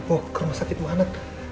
oh ke rumah sakit mana